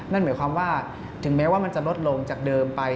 นั่นหมายความว่าถึงแม้ว่ามันจะลดลงจากเดิมไป